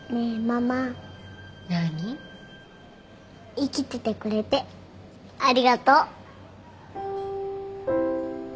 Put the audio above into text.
生きててくれてありがとう。